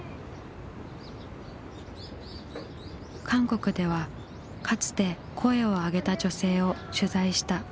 韓国ではかつて声をあげた女性を取材した。